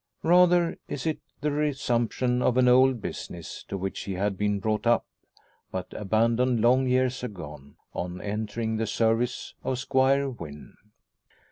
Rather is it the resumption of an old business to which he had been brought up, but abandoned long years agone on entering the service of Squire Wynn.